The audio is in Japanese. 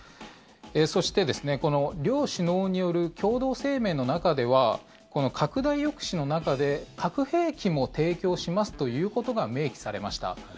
そして、この両首脳による共同声明の中では拡大抑止の中で核兵器も提供しますということが明記されました。